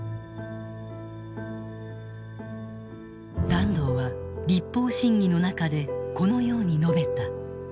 團藤は立法審議の中でこのように述べた。